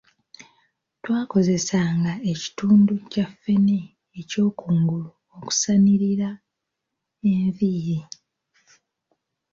Twakozesanga ekitundu kya ffene ekyokungulu okusanirira enviiri.